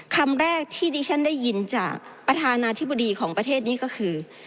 คำแรกที่ดิฉันได้ยินจากประธานาธิบดีของประเทศนี้ก็คือ